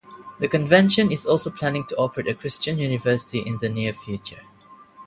The Convention is also planning to operate a Christian University in the near future.